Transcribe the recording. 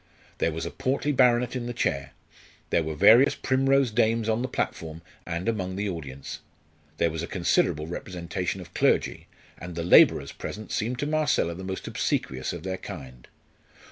There was a portly baronet in the chair; there were various Primrose Dames on the platform and among the audience; there was a considerable representation of clergy; and the labourers present seemed to Marcella the most obsequious of their kind.